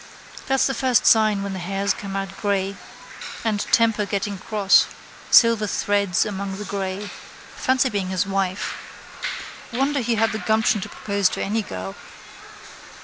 That's the first sign when the hairs come out grey. And temper getting cross. Silver threads among the grey. Fancy being his wife. Wonder he had the gumption to propose to any girl.